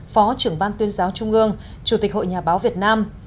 phó trưởng ban tuyên giáo trung ương chủ tịch hội nhà báo việt nam